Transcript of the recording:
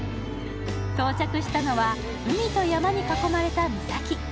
到着したのは海と山に囲まれた岬。